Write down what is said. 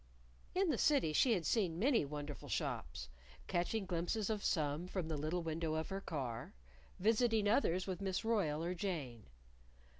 In the City she had seen many wonderful shops, catching glimpses of some from the little window of her car, visiting others with Miss Royle or Jane.